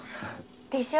でしょ？